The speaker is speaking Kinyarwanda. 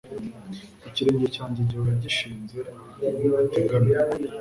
Ikirenge cyanjye gihora gishinze ahantu hategamye